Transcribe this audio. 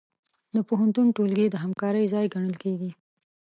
د پوهنتون ټولګي د همکارۍ ځای ګڼل کېږي.